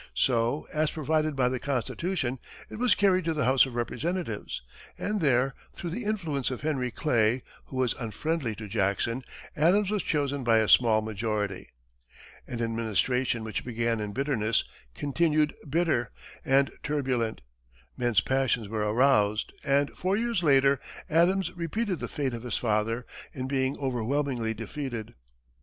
So, as provided by the Constitution, it was carried to the House of Representatives, and there, through the influence of Henry Clay, who was unfriendly to Jackson, Adams was chosen by a small majority. An administration which began in bitterness, continued bitter and turbulent. Men's passions were aroused, and four years later Adams repeated the fate of his father, in being overwhelmingly defeated.